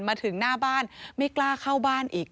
มาถึงหน้าบ้านไม่กล้าเข้าบ้านอีก